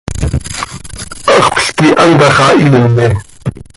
Haxöl quih antá xah hiime.